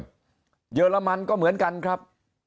จากที่เบนเชียมเยอรมันก็เหมือนกันครับ